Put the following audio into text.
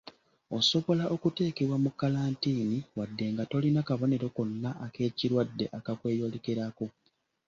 Osobola okuteekebwa mu kkalantiini wadde nga tolina kabonero konna ak’ekirwadde akakweyolekerako.